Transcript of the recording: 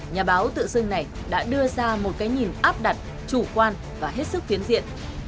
nhà báo tự dưng này đã đưa ra một cái nhìn áp đặt chủ quan và hết sức phiến diện